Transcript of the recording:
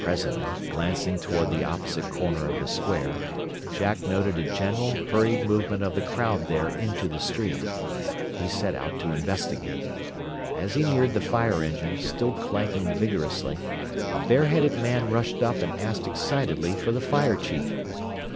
Presently, glancing toward the opposite corner of the square, Jack noted a general, hurried movement of the crowd there into the street. He set out to investigate. As he neared the fire engine, still clanking vigorously, a bareheaded man rushed up and asked excitedly for the fire chief.